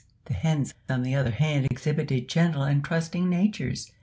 The hens, on the other hand, exhibited gentle and trusting natures.